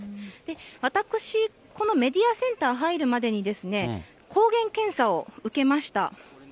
私、このメディアセンター、入るまでに、抗原検査を受けました。